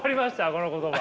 この言葉。